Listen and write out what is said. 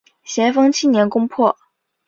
咸丰七年攻破。